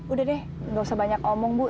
udah deh gak usah banyak omong bu